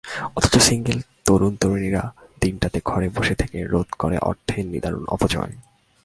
অথচ সিঙ্গল তরুণ-তরুণীরা দিনটিতে ঘরে বসে থেকে রোধ করে অর্থের নিদারুণ অপচয়।